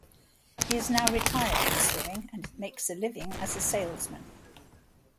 He is now retired from swimming and makes a living as a salesman.